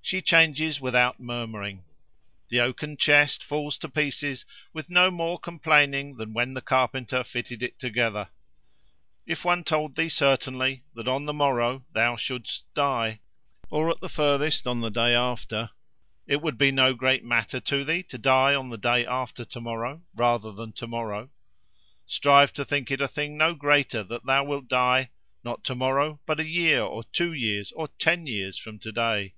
She changes without murmuring. The oaken chest falls to pieces with no more complaining than when the carpenter fitted it together. If one told thee certainly that on the morrow thou shouldst die, or at the furthest on the day after, it would be no great matter to thee to die on the day after to morrow, rather than to morrow. Strive to think it a thing no greater that thou wilt die—not to morrow, but a year, or two years, or ten years from to day.